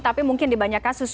tapi mungkin di banyak kasus